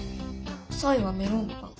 ３位はメロンパン。